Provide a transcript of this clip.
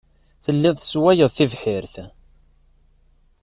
Telliḍ tesswayeḍ tibḥirt.